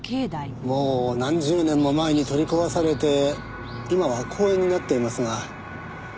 もう何十年も前に取り壊されて今は公園になっていますが。